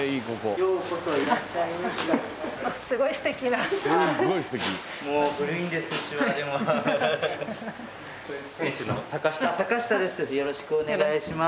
よろしくお願いします。